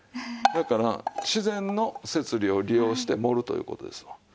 だから自然の摂理を利用して盛るという事ですわ。